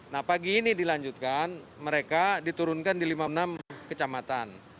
nah pagi ini dilanjutkan mereka diturunkan di lima puluh enam kecamatan